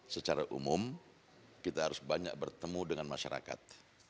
secara umum kita harus banyak bertemu dengan masyarakat